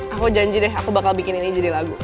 aku janji deh aku bakal bikin ini jadi lagu